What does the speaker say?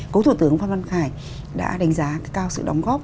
cố thủ tướng phan văn khải đã đánh giá cao sự đóng góp